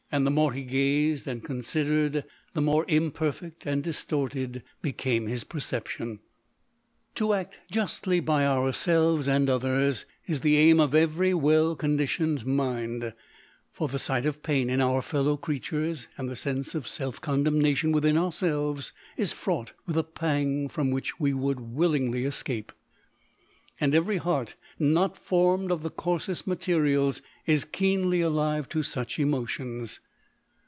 173 the more he gazed and considered, the more imperfect and distorted became his perception. To act justly by ourselves and others, is the aim of every well conditioned mind : for the sight of pain in our fellow creatures, and the sense of self condemnation within ourselves, is fraught with a pang from which we would wil lingly escape ; and every heart not formed of the coarsest materials is keenly alive to such emotions.